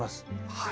はい。